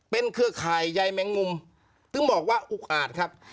เครือข่ายใยแมงมุมถึงบอกว่าอุกอาจครับ